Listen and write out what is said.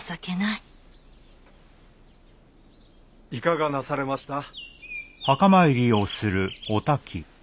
いかがなされました？